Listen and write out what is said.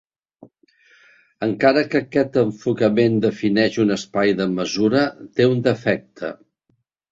Encara que aquest enfocament defineix un espai de mesura, té un defecte.